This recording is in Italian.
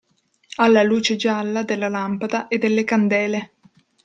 Alla luce gialla della lampada e delle candele.